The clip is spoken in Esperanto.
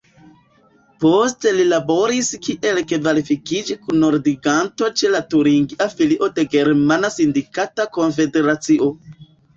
Poste li laboris kiel kvalifikiĝ-kunordiganto ĉe la turingia filio de la Germana sindikata konfederacio.